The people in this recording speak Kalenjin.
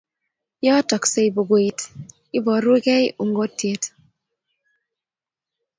Yotoksei bukuit, iborukei ungotiet